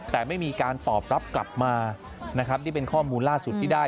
แต่ไม่มีการตอบรับกลับมานะครับนี่เป็นข้อมูลล่าสุดที่ได้